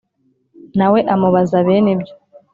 na we amubaza bene ibyo